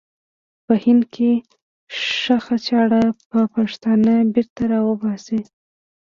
په هند کې ښخه چاړه به پښتانه بېرته را وباسي.